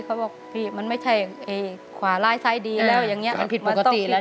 เขาบอกพี่มันไม่ใช่เอ่ยขวาลายไซดีแล้วอย่างเงี้ยมันผิดปกติแล้วเนี่ย